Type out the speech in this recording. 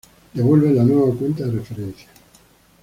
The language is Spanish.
Devuelve la nueva cuenta de referencia.